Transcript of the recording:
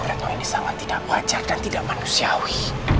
mereka tahu ini sangat tidak wajar dan tidak manusiawi